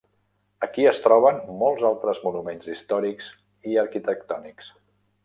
Aquí es troben molts altres monuments històrics i arquitectònics.